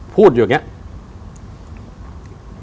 พูดอยู่อย่างนี้